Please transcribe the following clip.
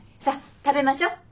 さっ食べましょ。